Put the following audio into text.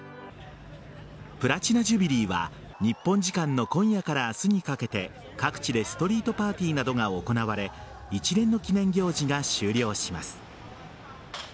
プラチナ・ジュビリーは日本時間の今夜から明日にかけて各地でストリートパーディーなどが行われ一連の記念行事が終了します。